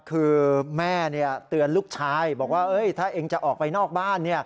คือแม่เตือนลูกชายบอกว่าถ้าเองจะออกไปนอกบ้าน